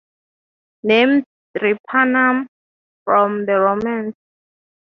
Named "Drepanum" from the Romans.